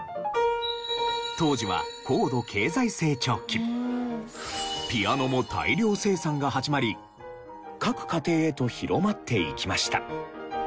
当時はピアノも大量生産が始まり各家庭へと広まっていきました。